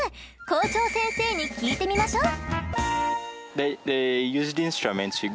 校長先生に聞いてみましょう。